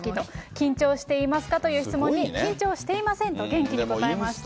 緊張していますかという質問に、緊張していませんと、元気に答えました。